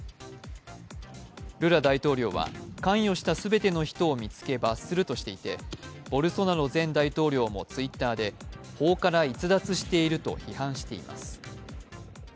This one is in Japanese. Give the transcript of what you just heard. ルラ大統領は関与した全ての人を見つけ罰するとしていてボルソナロ前大統領もＴｗｉｔｔｅｒで法から逸脱していると批判しています。